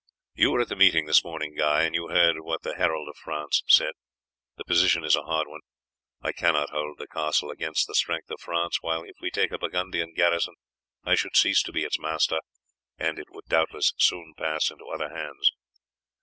You were at the meeting this morning, Guy, and you heard what the herald of France said. The position is a hard one. I cannot hold the castle against the strength of France, while if we take a Burgundian garrison I should cease to be its master, and it would doubtless soon pass into other hands.